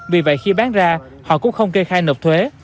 vì vậy khi bán ra họ cũng không kê khai nộp thuế